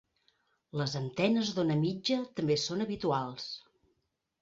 Les antenes d'ona mitja també són habituals.